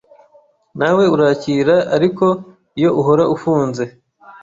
nawe urakira ariko iyo uhora ufunze